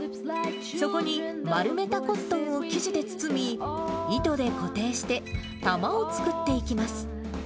そこに丸めたコットンを生地で包み、糸で固定して、玉を作っていきます。